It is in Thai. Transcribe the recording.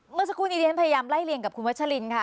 เมื่อสักครู่นี้เรียนพยายามไล่เรียงกับคุณวัชลินค่ะ